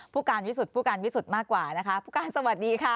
ผู้การวิสุทธิ์ผู้การวิสุทธิ์มากกว่านะคะผู้การสวัสดีค่ะ